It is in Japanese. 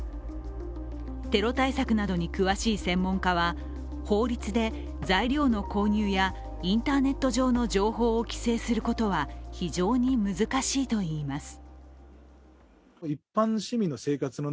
テロ対策などに詳しい専門家は、法律で材料の購入やインターネット上の情報を規制することは非常に難しいといいます。